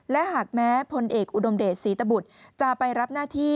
และหากแม้พลเอกอุดมเดชศรีตบุตรจะไปรับหน้าที่